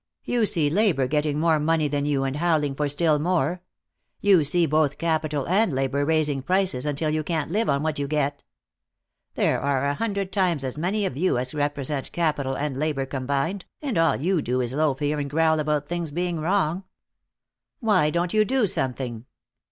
You see labor getting more money than you, and howling for still more. You see both capital and labor raising prices until you can't live on what you get. There are a hundred times as many of you as represent capital and labor combined, and all you do is loaf here and growl about things being wrong. Why don't you do something?